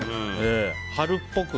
春っぽく。